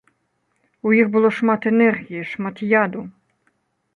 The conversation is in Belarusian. У іх было шмат энергіі, шмат яду.